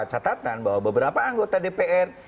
catatan bahwa beberapa anggota dpr